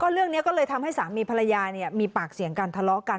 เรื่องนี้ก็เลยทำให้สามีภรรยามีปากเสียงกันทะเลาะกัน